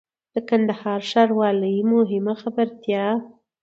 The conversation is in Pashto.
د کندهار ښاروالۍ مهمه خبرتيا